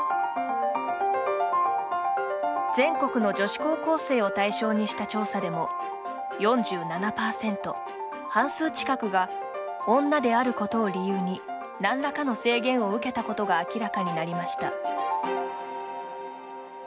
全国の女子高校生を対象にした調査でも４７％、半数近くが女であることを理由に何らかの制限を受けたことが明らかになりました。